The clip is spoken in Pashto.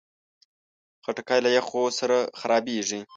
خټکی له یخو سره خرابېږي.